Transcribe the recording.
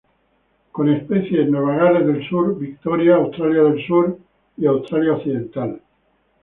Con especie en Nueva Gales del Sur, Victoria, Australia del Sur y Australia Occidental.